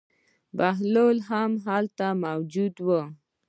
بهلول هم هلته موجود و.